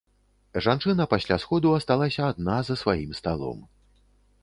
Жанчына пасля сходу асталася адна за сваім сталом.